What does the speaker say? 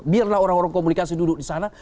biarlah orang orang komunikasi duduk di sana